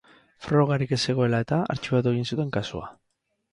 Frogarik ez zegoela eta, artxibatu egin zuten kasua.